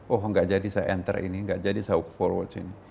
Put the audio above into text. oh nggak jadi saya enter ini nggak jadi saya forward sini